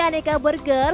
menikmati reka burger